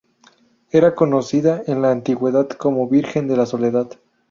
Era conocida en la antigüedad como Virgen de la Soledad.